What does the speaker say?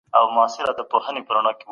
تاسي ولي داسي بې پروا سوي یاست؟